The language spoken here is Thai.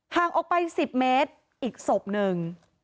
ห่างออกไป๑๐เมตรอีกศพหนึ่ง